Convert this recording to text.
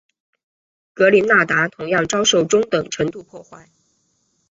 格林纳达同样遭受中等程度破坏。